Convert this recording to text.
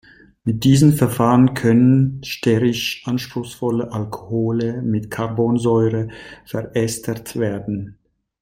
Mit diesem Verfahren können sterisch anspruchsvolle Alkohole mit Carbonsäuren verestert werden.